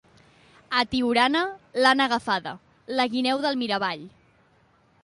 A Tiurana l'han agafada, la guineu de Miravall.